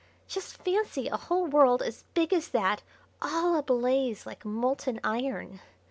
Just fancy a whole world as big as that all ablaze like molten iron!